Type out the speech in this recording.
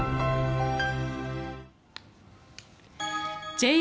ＪＲ